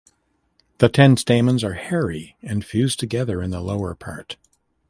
The ten stamens are hairy and fused together in the lower part.